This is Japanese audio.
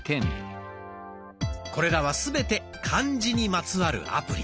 これらはすべて「漢字」にまつわるアプリ。